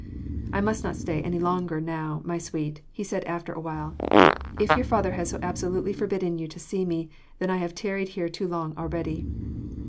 "I must not stay any longer now, my sweet," he said after awhile, "if your father has so absolutely forbidden you to see me, then I have tarried here too long already."